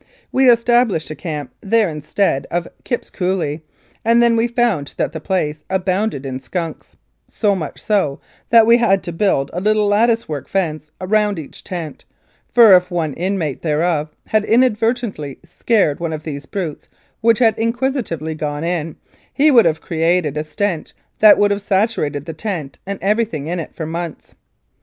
We established a camp there instead of at Kipp's Coulee, and then we found that the place abounded in skunks, so much so that we had to build a little lattice work fence round each tent, for if one inmate thereof had inadvertently scared one of these brutes which had inquisitively gone in, he would have created a stench that would have saturated the tent and everything in it for months.